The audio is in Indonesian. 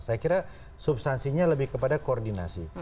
saya kira substansinya lebih kepada koordinasi